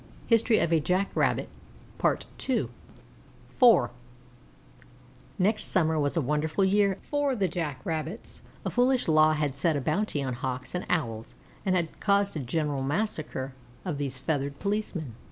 This was a pair of Jack rabbits the Little Warhorse and his mate. IV Next summer was a wonderful year for the Jack rabbits. A foolish law had set a bounty on Hawks and Owls and had caused a general massacre of these feathered policemen.